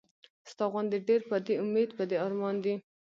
ستا غوندې ډېر پۀ دې اميد پۀ دې ارمان دي